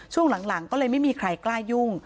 ช่วงหลังก็เลยไม่มีใครกล้ายุ่ง